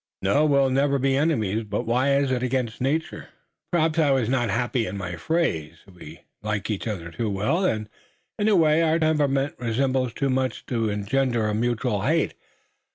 "No, we'll never be enemies, but why is it against nature?" "Perhaps I was not happy in my phrase. We like each other too well, and in a way our temperaments resemble too much to engender a mutual hate.